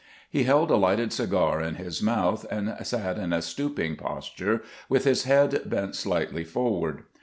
He held a lighted cigar in his mouth, and sat in a stooping posture, with his head bent slightly forward.